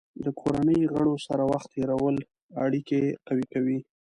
د کورنۍ غړو سره وخت تېرول اړیکې قوي کوي.